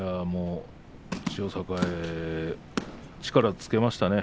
千代栄力をつけましたね。